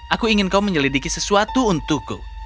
aku ingin kau menyelidiki sesuatu untukku